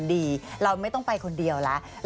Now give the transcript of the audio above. ดีเราไม่ต้องไปคนเดียวแล้ว